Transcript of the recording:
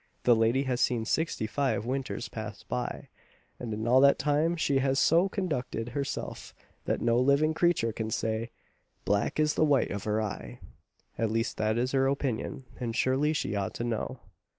The lady has seen sixty five winters pass away; and in all that time she has so conducted herself that no living creature can say, "black is the white of her eye" at least that is her opinion; and surely she ought to know.